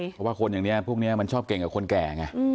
เพราะว่าคนอย่างนี้พวกนี้มันชอบเก่งกับคนแก่ไง